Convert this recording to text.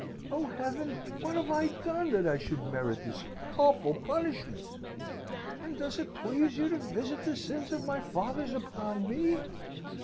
'O Heaven, what have I done, that I should merit this awful punishment? and does it please you to visit the sins of my fathers upon me?